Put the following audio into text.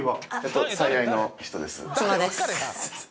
妻です。